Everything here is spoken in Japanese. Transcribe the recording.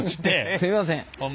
すいません。